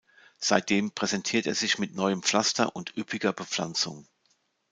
Seitdem präsentiert er sich mit neuem Pflaster und üppiger Bepflanzung.